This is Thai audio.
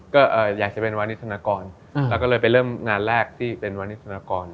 ก็อยากจะเป็นวานิสธนากรเราก็เลยไปเริ่มงานแรกที่เป็นวันนี้ธนากร